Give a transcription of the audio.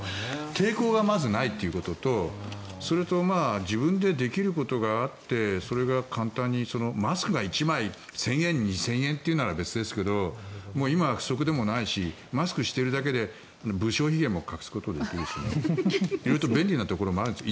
抵抗がまずないということとそれと自分でできることがあってそれが簡単にマスクが１枚１０００円２０００円というのは別ですがもう今は不足でもないしマスクをしているだけで無精ひげも隠すことができるしという色々と便利なところもあるんです